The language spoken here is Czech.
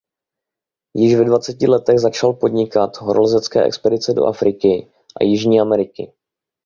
Již ve dvaceti letech začal podnikat horolezecké expedice do Afriky a Jižní Ameriky.